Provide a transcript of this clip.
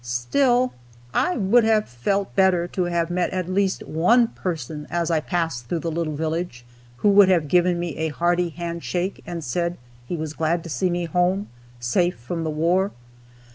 Still, I would have felt better to have met at least one person as I passed through the little village who would have given me a hearty hand shake, and said he was glad to see me home, safe from the war.